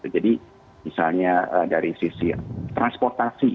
jadi misalnya dari sisi transportasi